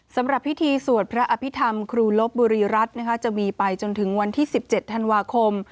สำหรับพิธีสวดพระอภิษฐรรมครูลบบุรีรัฐจะมีไปจนถึงวันที่๑๗ธันวาคม